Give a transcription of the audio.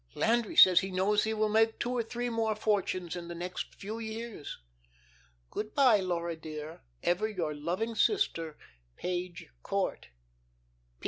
Landry says he knows he will make two or three more fortunes in the next few years. "'Good by, Laura, dear. Ever your loving sister, "'PAGE COURT.